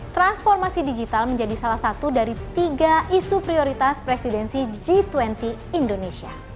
transformasi digital menjadi salah satu dari tiga isu prioritas presidensi g dua puluh indonesia